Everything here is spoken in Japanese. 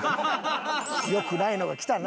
良くないのが来たな。